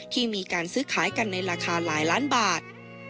ที่มีการซื้อขายกันในราคาหลายล้านบาท